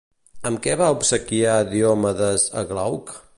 Amb què va obsequiar Diomedes a Glauc?